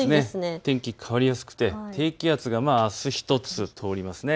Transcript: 天気、変わりやすくて低気圧があす１つ通ります。